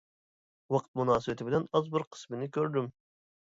ۋاقىت مۇناسىۋىتى بىلەن ئاز بىر قىسمىنى كۆردۈم.